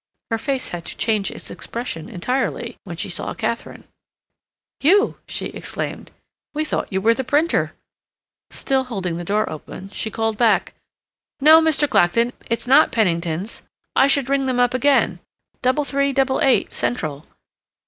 Her face had to change its expression entirely when she saw Katharine. "You!" she exclaimed. "We thought you were the printer." Still holding the door open, she called back, "No, Mr. Clacton, it's not Penningtons. I should ring them up again—double three double eight, Central.